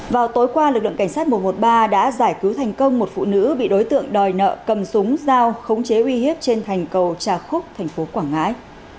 vào tối qua lực lượng cảnh sát một trăm một mươi ba đã giải cứu thành công một phụ nữ bị đối tượng đòi nợ cầm súng dao khống chế uy hiếp trên thành cầu trà khúc thành phố quảng ngãi